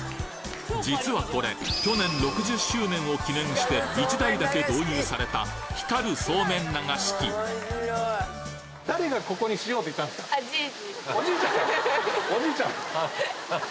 実はこれ去年６０周年を記念して１台だけ導入されたおじいちゃん！